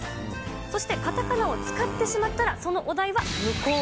そして、カタカナを使ってしまったら、そのお題は無効。